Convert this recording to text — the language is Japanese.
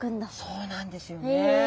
そうなんですよね。